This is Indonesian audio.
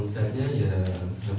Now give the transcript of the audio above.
mereka hanyalah dukungan murado